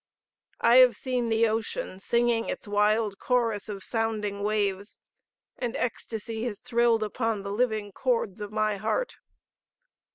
I have seen the ocean singing its wild chorus of sounding waves, and ecstacy has thrilled upon the living chords of my heart.